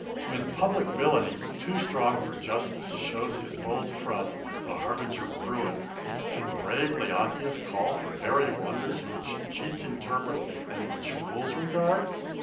When publick villainy, too strong for justice, Shows his bold front, the harbinger of ruin, Can brave Leontius call for airy wonders, Which cheats interpret, and which fools regard?